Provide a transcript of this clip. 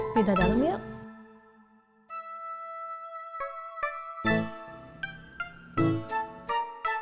pindah dalem ya